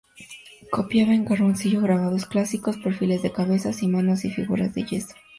Copiaba en carboncillo grabados clásicos, perfiles de cabezas y manos, y figuras de yeso.